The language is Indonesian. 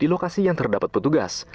di lokasi yang terdapat petugas